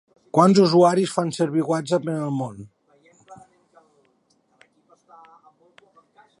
Quants usuaris fan servir WhatsApp en el món?